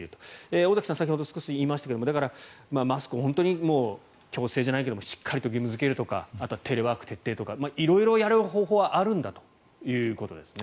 尾崎さん、先ほど少し言いましたけどマスクを強制じゃないけどしっかりと義務付けるとかあとはテレワーク徹底とか色々やる方法はあるんだということですね。